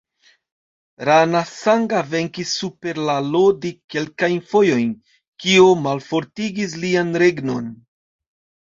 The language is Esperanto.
Rana Sanga venkis super la Lodi kelkajn fojojn, kio malfortigis lian regnon.